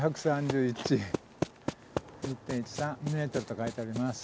９３１ｍと書いてあります。